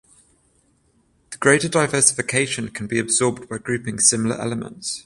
The greater diversification can be absorbed by grouping similar elements.